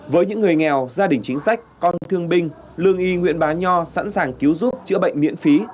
với những người nghèo gia đình chính sách con thương binh lương y nguyễn bá nho sẵn sàng cứu giúp chữa bệnh miễn phí